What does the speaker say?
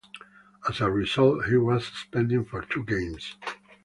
As a result, he was suspended for two games.